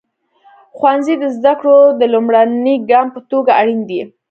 ښوونځی د زده کړو د لومړني ګام په توګه اړین دی.